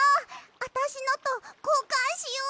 あたしのとこうかんしよ！